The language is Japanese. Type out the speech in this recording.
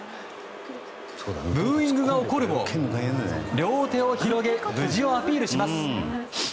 ブーイングが起こるも両手を広げ無事をアピールします。